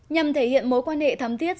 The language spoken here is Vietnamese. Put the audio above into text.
nhằm thể hiện mối quan hệ thấm thiết